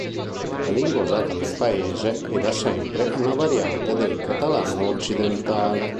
La lingua usata nel paese, è, da sempre, una variante del catalano occidentale.